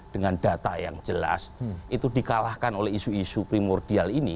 dengan data yang jelas itu dikalahkan oleh isu isu primordial ini